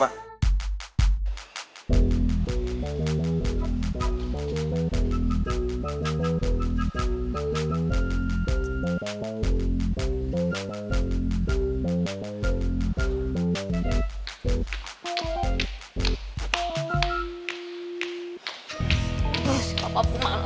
serius apa ya sekarang